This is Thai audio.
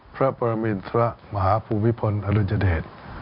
พระปรมิณฑระมหาภูวิพลอรุณเจษฐ์